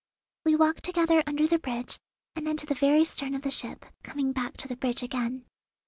'" We walked together under the bridge, and then to the very stern of the ship, coming back to the bridge again.